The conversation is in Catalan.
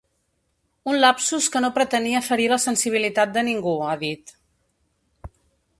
Un lapsus que no pretenia ferir la sensibilitat de ningú, ha dit.